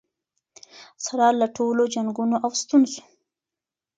سره له ټولو جنګونو او ستونزو.